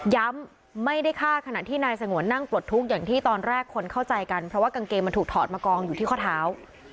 ไม่ได้ฆ่าขณะที่นายสงวนนั่งปลดทุกข์อย่างที่ตอนแรกคนเข้าใจกันเพราะว่ากางเกงมันถูกถอดมากองอยู่ที่ข้อเท้า